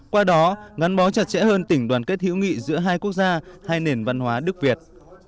qua đó ngắn bó chặt chẽ hơn tỉnh đoàn kết hữu nghị giữa hai quốc gia hai nền văn hóa đức việt